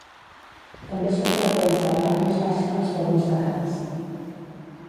També són freqüents a la part més baixa els forns de calç.